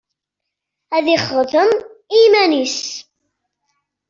Ad yexdem i yiman-nnes.